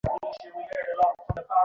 আমি ঘনিষ্ঠভাবে শুনতে চাই।